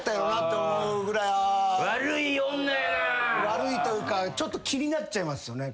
悪いというかちょっと気になっちゃいますよね。